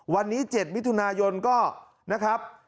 วันนี้๗มิถุนายนก็นะครับ